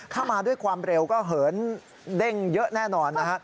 ถ้ามาด้วยความเร็วก็เหินเด้งเยอะแน่นอนนะฮะ